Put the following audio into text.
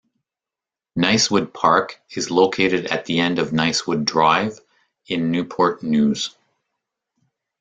Nicewood Park is located at the end of Nicewood Drive in Newport News.